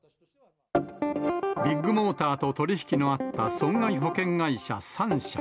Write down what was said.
ビッグモーターと取り引きのあった損害保険会社３社。